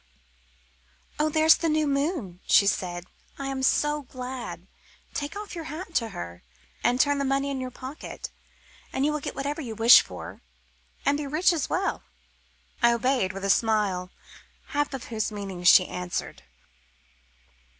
"Oh, there's the new moon," she said. "I am so glad. Take your hat off to her and turn the money in your pocket, and you will get whatever you wish for, and be rich as well." I obeyed with a smile, half of whose meaning she answered.